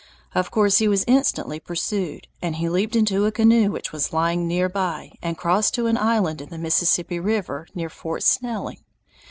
Of course he was instantly pursued, and he leaped into a canoe which was lying near by and crossed to an island in the Mississippi River near Fort Snelling.